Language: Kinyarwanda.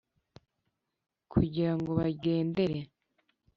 Kugira ngo bagendere